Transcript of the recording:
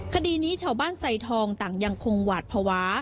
คดีนี้ชาวบ้านไซทองต่างยังคงหวาดภาวะ